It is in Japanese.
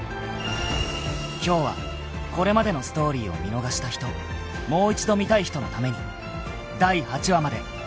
［今日はこれまでのストーリーを見逃した人もう一度見たい人のために］